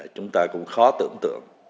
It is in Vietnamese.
chúng ta cũng khó tưởng tượng